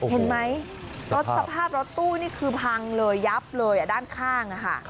เห็นไหมรถสภาพรถตู้นี่คือพังเลยยับเลยด้านข้างค่ะ